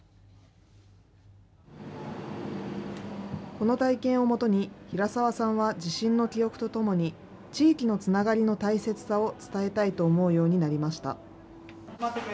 この体験をもとに、平澤さんは地震の記憶とともに、地域のつながりの大切さを伝えたいと思うようになりました。